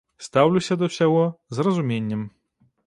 Стаўлюся да ўсяго, з разуменнем.